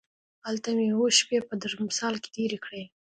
هلته مې اووه شپې په درمسال کې تېرې کړې.